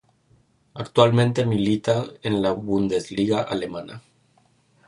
Actualmente milita en la Bundesliga alemana.